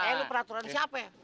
eh lo peraturan siapa ya